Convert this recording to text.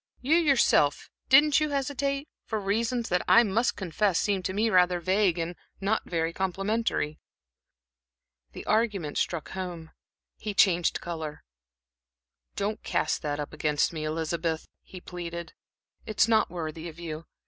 "You, yourself didn't you hesitate for reasons that I must confess seem to me rather vague and not very complimentary." The argument struck home. He changed color. "Don't cast that up against me, Elizabeth," he pleaded. "It's not worthy of you.